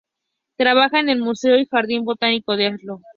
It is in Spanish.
Trabaja en el Museo y Jardín botánico de Oslo.